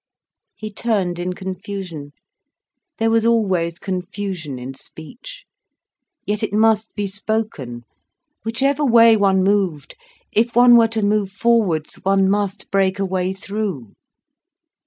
He turned in confusion. There was always confusion in speech. Yet it must be spoken. Whichever way one moved, if one were to move forwards, one must break a way through.